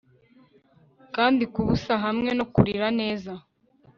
Kandi kubusa hamwe no kurira neza